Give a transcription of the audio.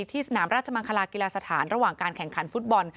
ที่สนามราชมังคลากีฬาสถานระหว่างการแข่งขันฟุตบอล